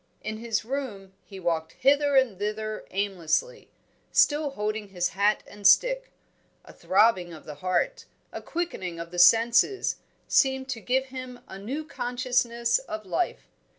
In his room he walked hither and thither aimlessly, still holding his hat and stick. A throbbing of the heart, a quickening of the senses, seemed to give him a new consciousness of life.